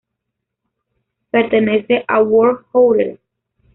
Pertenece a "World Hotels".